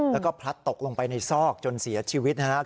แล้วก็พลัดตกลงไปในซอกจนเสียชีวิตนะครับ